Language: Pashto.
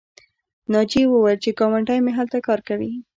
ناجیې وویل چې ګاونډۍ مې هلته کار کوي